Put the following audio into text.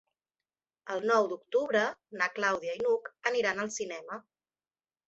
El nou d'octubre na Clàudia i n'Hug aniran al cinema.